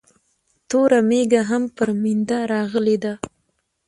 توره مېږه هم پر مينده راغلې ده